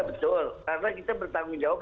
betul karena kita bertanggung jawab